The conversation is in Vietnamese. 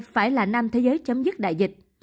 hai nghìn hai mươi hai phải là năm thế giới chấm dứt đại dịch